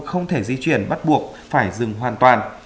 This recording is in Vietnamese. không thể di chuyển bắt buộc phải dừng hoàn toàn